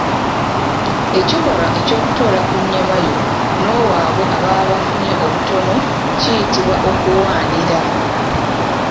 Ekikolwa ekyokutoola ku nnyamayo n’owa abo ababa bafunye obutono kiyitibwa Okuwaanira.